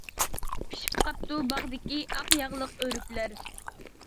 پىشىپ قاپتۇ باغدىكى، ئاق ياغلىق ئۆرۈكلەر.